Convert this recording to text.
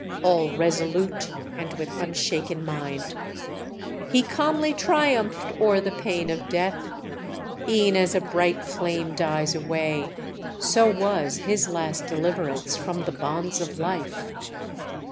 All resolute, and with unshaken mind. He calmly triumphed o'er the pain of death. E'en as a bright flame dies away, so was His last deliverance from the bonds of life!"